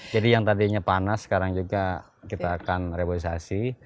jadi yang tadinya panas sekarang juga kita akan revaluasi